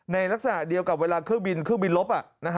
ในลักษณะเดียวกับเวลาเครื่องบินลบ